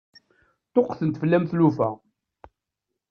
Ṭṭuqqtent-d fell-am tlufa.